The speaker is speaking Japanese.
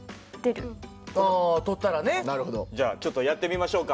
じゃあちょっとやってみましょうか。